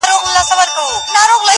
سړیتوب په ښو اوصافو حاصلېږي,